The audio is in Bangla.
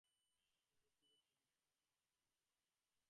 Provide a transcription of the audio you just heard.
তবে ব্যক্তিগত বিদ্রোহের কারণেও সে এটা করতে পারে।